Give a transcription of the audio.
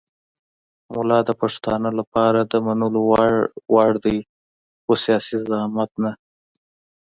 ملا د پښتانه لپاره د منلو وړ دی خو سیاسي زعامت نه.